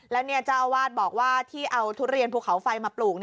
แล้วเจ้าอาวาสบอกว่าที่เอาทุเรียนภูเขาไฟมาปลูก